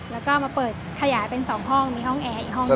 แล้วก็มาเปิดขยายเป็น๒ห้องมีห้องแอร์อีกห้องหนึ่ง